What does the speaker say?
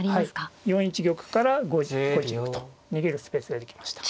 ４一玉から５一玉と逃げるスペースができました。